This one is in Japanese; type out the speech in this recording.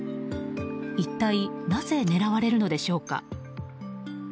一体なぜ狙われるのでしょうか。